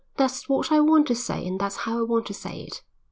That's what I want to say and that's how I want to say it."